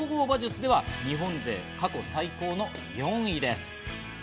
総合馬術では日本勢、過去最高の４位です。